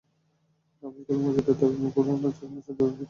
আবুল কালাম আজাদের দাবি, মুকুল রানা চার মাস ধরে নিখোঁজ ছিলেন।